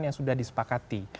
yang sudah disepakati